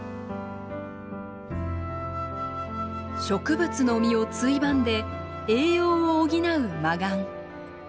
植物の実をついばんで栄養を補うマガン。